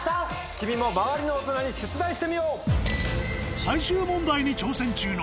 君も周りの大人に出題してみよう！